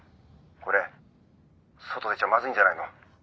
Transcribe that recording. これ外出ちゃまずいんじゃないの？